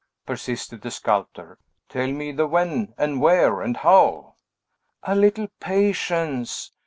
persisted the sculptor; "tell me the when, and where, and how!" "A little patience.